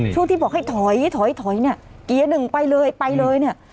ช่วงที่บอกให้ถอยถอยถอยเนี่ยเกียร์หนึ่งไปเลยไปเลยเนี่ย